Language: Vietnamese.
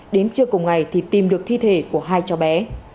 cảnh sát phòng trái chế chế của hai cháu bé